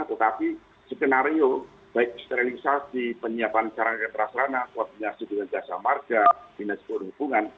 tetapi skenario baik sterilisasi penyiapan sarang retraserana koordinasi dengan jasamarga binas purhubungan